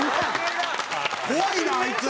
怖いなあいつ！